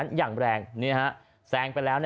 จังหวะเดี๋ยวจะให้ดูนะ